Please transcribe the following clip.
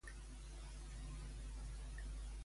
Em flipa escoltar Sopa de Cabra.